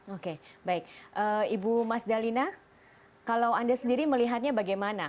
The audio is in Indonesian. oke baik ibu mas dalina kalau anda sendiri melihatnya bagaimana